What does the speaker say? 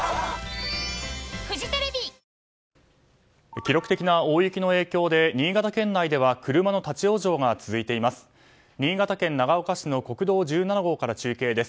記録的な大雪の影響で新潟県内では車の立ち往生が続いています。